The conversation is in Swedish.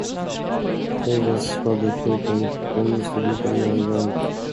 Hon var skadskjuten, hon måste bita jägaren.